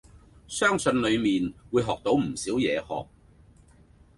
相信裡面會學到唔少嘢學。